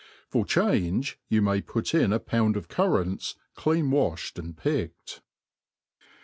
For change, yoii may put, in a pound of currants, clean waibed and picked.